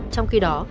trong khi đó